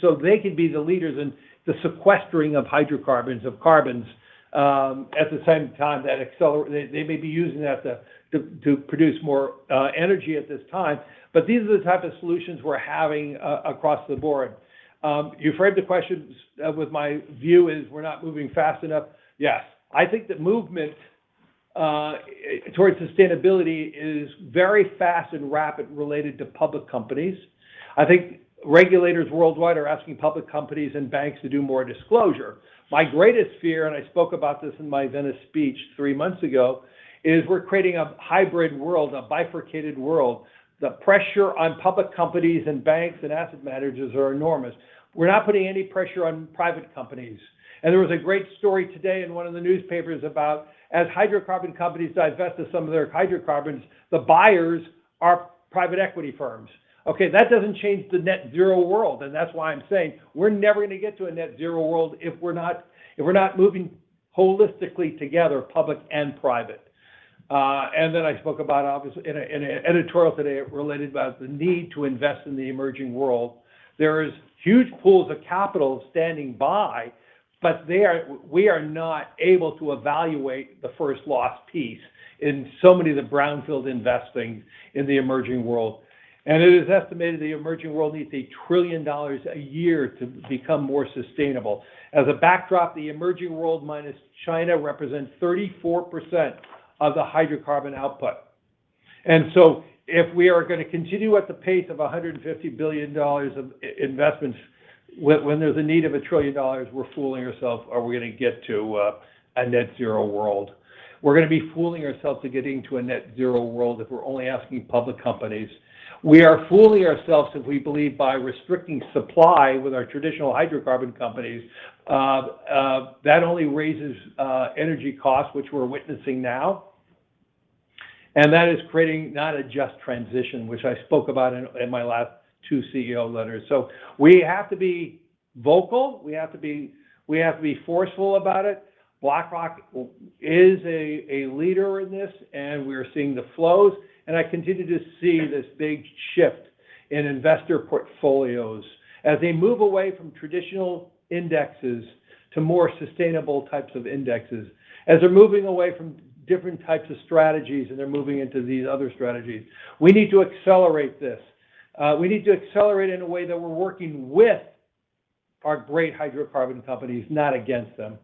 so they can be the leaders in the sequestering of hydrocarbons, of carbons. At the same time, they may be using that to produce more energy at this time. These are the type of solutions we're having across the board. You framed the question with my view is we're not moving fast enough. Yes. I think the movement towards sustainability is very fast and rapid related to public companies. I think regulators worldwide are asking public companies and banks to do more disclosure. My greatest fear, and I spoke about this in my Venice speech 3 months ago, is we're creating a hybrid world, a bifurcated world. The pressure on public companies and banks and asset managers are enormous. We're not putting any pressure on private companies. There was a great story today in one of the newspapers about as hydrocarbon companies divest of some of their hydrocarbons, the buyers are private equity firms. Okay, that doesn't change the net zero world, and that's why I'm saying we're never going to get to a net zero world if we're not moving holistically together, public and private. I spoke about, obviously, in an editorial today related about the need to invest in the emerging world. There is huge pools of capital standing by, but we are not able to evaluate the first loss piece in so many of the brownfield investing in the emerging world. It is estimated the emerging world needs $1 trillion a year to become more sustainable. As a backdrop, the emerging world, minus China, represents 34% of the hydrocarbon output. If we are going to continue at the pace of $150 billion of investments when there's a need of $1 trillion, we're fooling ourselves if we're going to get to a net zero world. We're going to be fooling ourselves to getting to a net zero world if we're only asking public companies. We are fooling ourselves if we believe by restricting supply with our traditional hydrocarbon companies. That only raises energy costs, which we're witnessing now, and that is creating not a just transition, which I spoke about in my last two CEO letters. We have to be vocal. We have to be forceful about it. BlackRock is a leader in this, and we are seeing the flows, and I continue to see this big shift in investor portfolios as they move away from traditional indexes to more sustainable types of indexes, as they're moving away from different types of strategies and they're moving into these other strategies. We need to accelerate this. We need to accelerate in a way that we're working with our great hydrocarbon companies, not against them.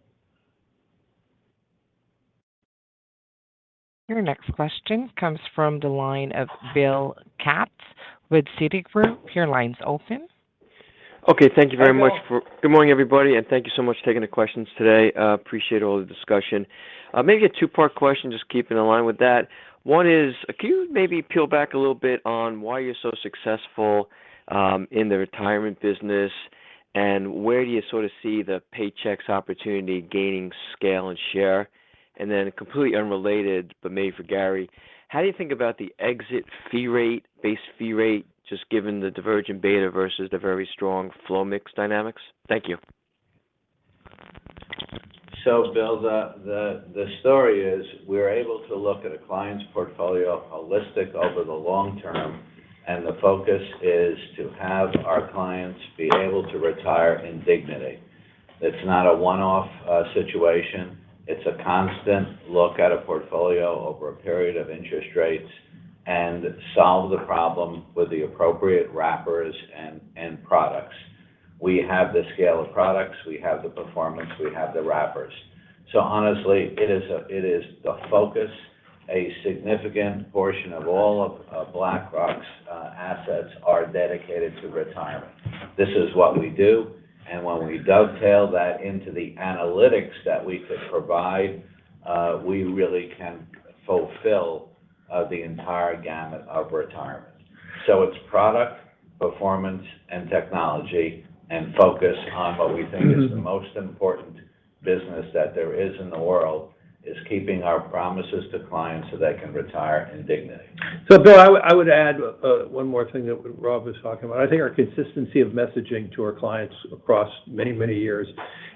Your next question comes from the line of William Katz with Citigroup. Your line's open. Okay. Thank you very much. Hi, Bill. Good morning, everybody, and thank you so much for taking the questions today. Appreciate all the discussion. Maybe a 2-part question, just keeping in line with that. 1 is, can you maybe peel back a little bit on why you're so successful in the retirement business, and where do you sort of see the Paycheck opportunity gaining scale and share? Then completely unrelated, but maybe for Gary, how do you think about the exit base fee rate, just given the divergent beta versus the very strong flow mix dynamics? Thank you. Bill, the story is we're able to look at a client's portfolio holistic over the long term, and the focus is to have our clients be able to retire in dignity. It's not a one-off situation. It's a constant look at a portfolio over a period of interest rates and solve the problem with the appropriate wrappers and products. We have the scale of products. We have the performance. We have the wrappers. Honestly, it is the focus. A significant portion of all of BlackRock's assets are dedicated to retirement. This is what we do, and when we dovetail that into the analytics that we could provide, we really can fulfill the entire gamut of retirement. It's product, performance, and technology, and focus on what we think is the most important business that there is in the world, is keeping our promises to clients so they can retire in dignity. Bill, I would add one more thing that Rob was talking about. I think our consistency of messaging to our clients across many, many years,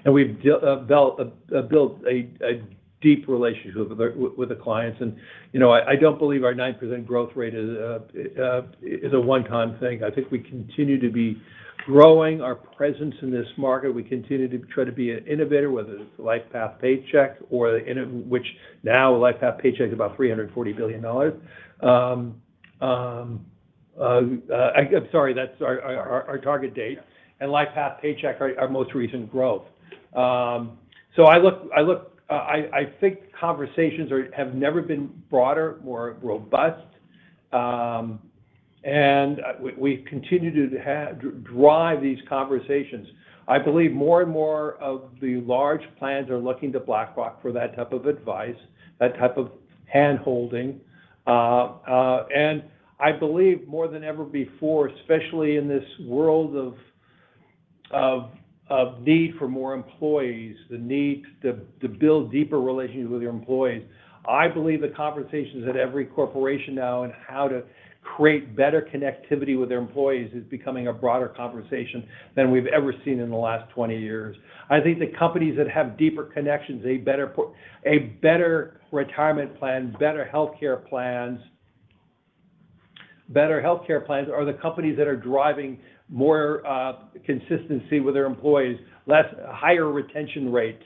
and we've built a deep relationship with the clients, and I don't believe our 9% growth rate is a one-time thing. I think we continue to be growing our presence in this market. We continue to try to be an innovator, whether it's LifePath Paycheck, which now LifePath Paycheck's about $340 billion. I'm sorry, that's our target date. Yeah. LifePath Paycheck, our most recent growth. I think conversations have never been broader, more robust, and we continue to drive these conversations. I believe more and more of the large plans are looking to BlackRock for that type of advice, that type of hand-holding. I believe more than ever before, especially in this world of need for more employees, the need to build deeper relationships with your employees. I believe the conversations at every corporation now on how to create better connectivity with their employees is becoming a broader conversation than we've ever seen in the last 20 years. I think the companies that have deeper connections, a better retirement plan, better healthcare plans, are the companies that are driving more consistency with their employees, higher retention rates.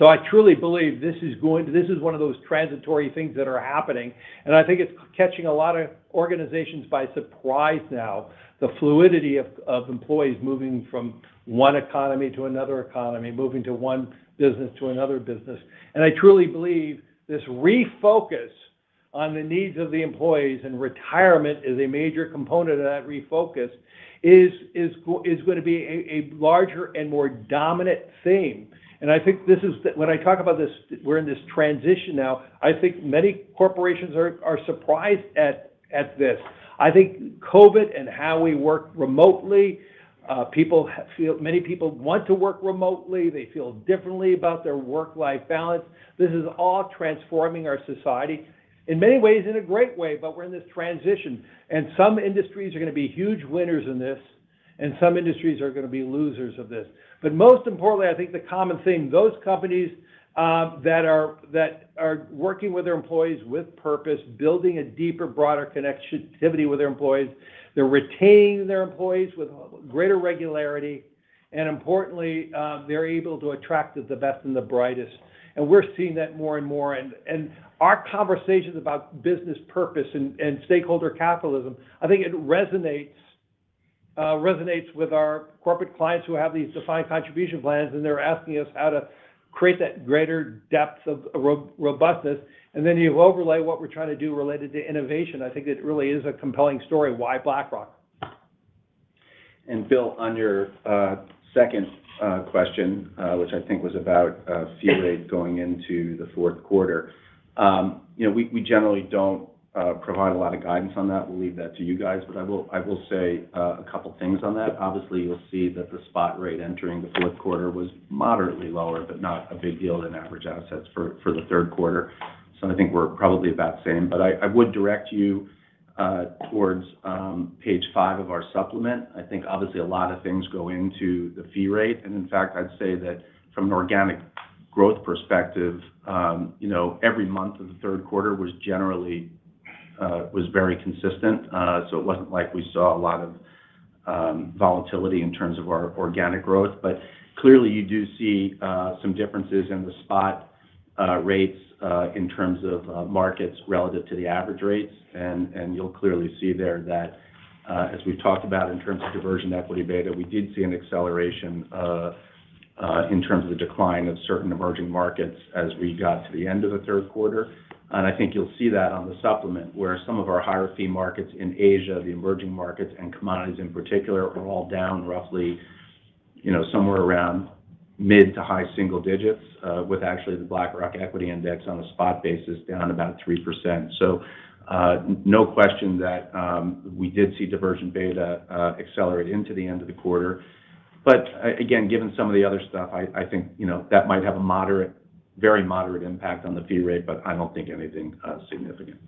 I truly believe this is one of those transitory things that are happening, and I think it's catching a lot of organizations by surprise now. The fluidity of employees moving from one economy to another economy, moving to one business to another business. I truly believe this refocus on the needs of the employees, and retirement is a major component of that refocus, is going to be a larger and more dominant theme. When I talk about this, we're in this transition now, I think many corporations are surprised at this. I think COVID and how we work remotely, many people want to work remotely. They feel differently about their work-life balance. This is all transforming our society. In many ways, in a great way, but we're in this transition, and some industries are going to be huge winners in this, and some industries are going to be losers of this. Most importantly, I think the common theme, those companies that are working with their employees with purpose, building a deeper, broader connectivity with their employees, they're retaining their employees with greater regularity, and importantly, they're able to attract the best and the brightest. We're seeing that more and more, and our conversations about business purpose and stakeholder capitalism, I think it resonates with our corporate clients who have these defined contribution plans, and they're asking us how to create that greater depth of robustness. Then you overlay what we're trying to do related to innovation, I think it really is a compelling story, why BlackRock. Bill, on your second question, which I think was about fee rates going into the fourth quarter. We generally don't provide a lot of guidance on that. We'll leave that to you guys, but I will say a couple things on that. Obviously, you'll see that the spot rate entering the fourth quarter was moderately lower, but not a big deal in average assets for the third quarter. I think we're probably about the same, but I would direct you towards page 5 of our supplement. I think obviously a lot of things go into the fee rate, and in fact, I'd say that from an organic growth perspective. Every month of the third quarter was very consistent. It wasn't like we saw a lot of volatility in terms of our organic growth. Clearly you do see some differences in the spot rates, in terms of markets relative to the average rates. You'll clearly see there that, as we've talked about in terms of divergent equity beta, we did see an acceleration in terms of the decline of certain emerging markets as we got to the end of the third quarter. I think you'll see that on the supplement where some of our higher fee markets in Asia, the emerging markets, and commodities in particular, are all down roughly somewhere around mid- to high-single digits. With actually the BlackRock equity index on a spot basis down about 3%. No question that we did see divergent beta accelerate into the end of the quarter. Again, given some of the other stuff, I think that might have a very moderate impact on the fee rate, but I don't think anything significant.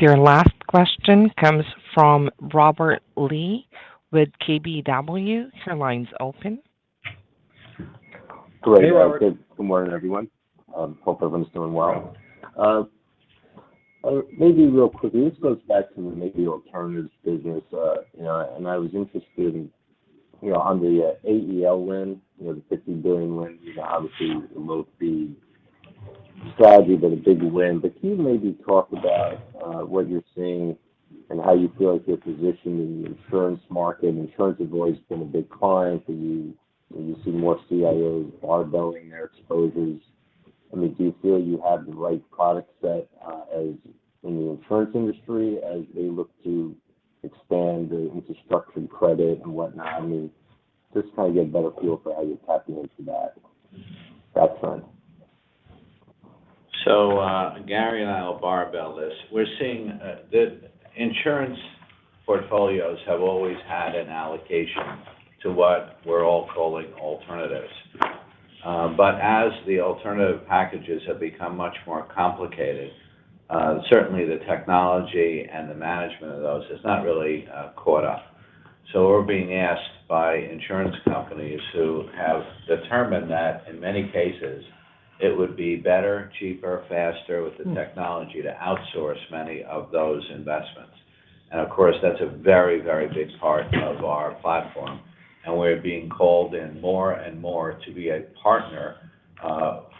Your last question comes from Robert Lee with KBW. Your line's open. Hey, Robert. Great. Good morning, everyone. Hope everyone's doing well. Maybe real quickly, this goes back to maybe alternatives business. I was interested in on the AEL win, the $50 billion win, obviously a low fee strategy, but a big win. Can you maybe talk about what you're seeing and how you feel like you're positioned in the insurance market? Insurance has always been a big client for you, and you see more CIOs barbelling their exposures. Do you feel you have the right product set in the insurance industry as they look to expand into structured credit and whatnot? Just trying to get a better feel for how you're tapping into that front. Gary and I will barbell this. We're seeing that insurance portfolios have always had an allocation to what we're all calling alternatives. As the alternative packages have become much more complicated, certainly the technology and the management of those has not really caught up. We're being asked by insurance companies who have determined that in many cases it would be better, cheaper, faster with the technology to outsource many of those investments. Of course, that's a very big part of our platform. We're being called in more and more to be a partner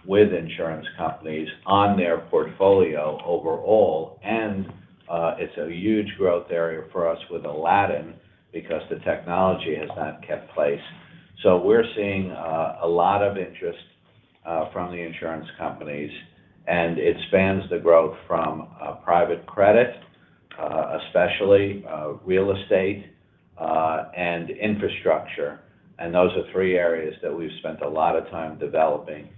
with insurance companies on their portfolio overall. It's a huge growth area for us with Aladdin because the technology has not kept pace. We're seeing a lot of interest from the insurance companies, and it spans the growth from private credit, especially real estate and infrastructure. Those are three areas that we've spent a lot of time developing.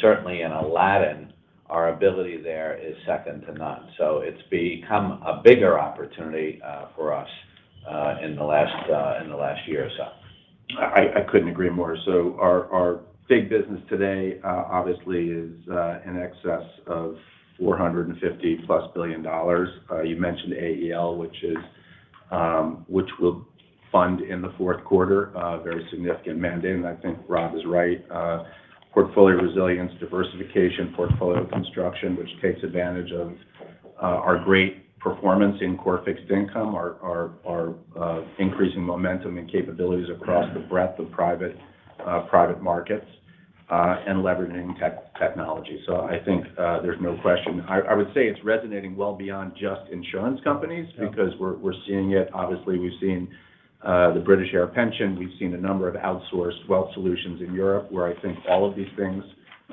Certainly in Aladdin, our ability there is second to none. It's become a bigger opportunity for us in the last year or so. I couldn't agree more. Our big business today, obviously, is in excess of $450-plus billion. You mentioned AEL, which we'll fund in the fourth quarter. A very significant mandate, and I think Robert Lee is right. Portfolio resilience, diversification, portfolio construction, which takes advantage of our great performance in core fixed income, our increasing momentum and capabilities across the breadth of private markets, and leveraging technology. I think there's no question. I would say it's resonating well beyond just insurance companies because we're seeing it. Obviously, we've seen the British Airways Pension, we've seen a number of outsourced wealth solutions in Europe, where I think all of these things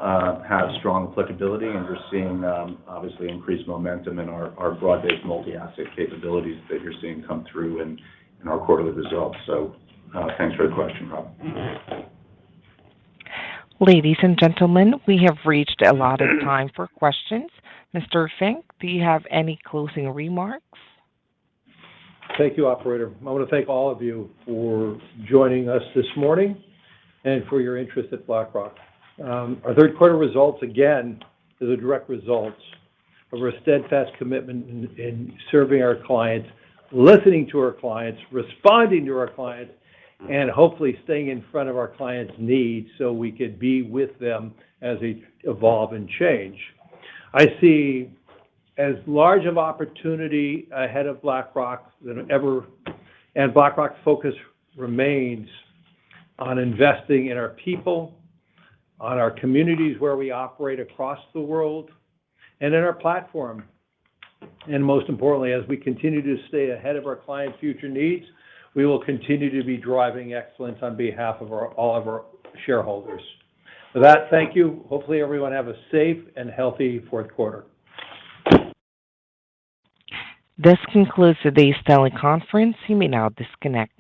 have strong applicability. We're seeing, obviously, increased momentum in our broad-based multi-asset capabilities that you're seeing come through in our quarterly results. Thanks for the question, Robert Lee. Ladies and gentlemen, we have reached allotted time for questions. Mr. Fink, do you have any closing remarks? Thank you, operator. I want to thank all of you for joining us this morning and for your interest at BlackRock. Our third quarter results, again, are the direct results of our steadfast commitment in serving our clients, listening to our clients, responding to our clients, and hopefully staying in front of our clients' needs so we could be with them as they evolve and change. I see as large of opportunity ahead of BlackRock than ever, and BlackRock's focus remains on investing in our people, on our communities where we operate across the world, and in our platform. Most importantly, as we continue to stay ahead of our clients' future needs, we will continue to be driving excellence on behalf of all of our shareholders. For that, thank you. Hopefully everyone have a safe and healthy fourth quarter. This concludes today's teleconference. You may now disconnect.